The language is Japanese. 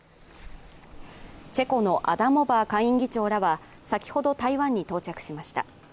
チェコのアダモバー下院議長らは先ほど台湾に到着しました。